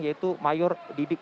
yaitu mayor dibik